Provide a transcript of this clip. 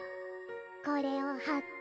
これをはって。